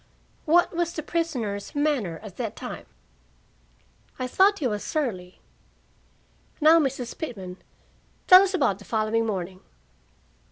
"What was the prisoner's manner at that time?" "I thought he was surly." "Now, Mrs. Pitman, tell us about the following morning."